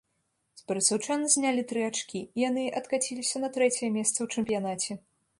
З барысаўчан знялі тры ачкі, і яны адкаціліся на трэцяе месца ў чэмпіянаце.